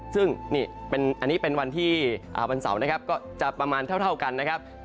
ซึ่งนี่อันนี้เป็นวันที่วันเสาร์นะครับก็จะประมาณเท่ากันนะครับ